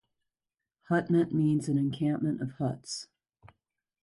Hutment means an "encampment of huts".